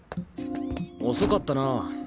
遅かったなぁ。